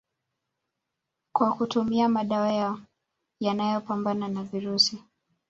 kwa kutumia madawa ya yanayopambana na virusi